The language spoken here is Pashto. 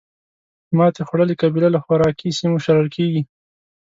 ماتې خوړلې قبیله له خوراکي سیمو شړل کېږي.